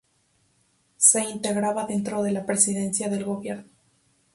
Se integraba dentro de la Presidencia del Gobierno.